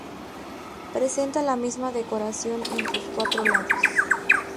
Presenta la misma decoración en sus cuatro lados.